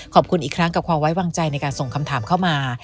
ขอบคุณอีกครั้งกับความไว้วางใจในการส่งคำถามเข้ามา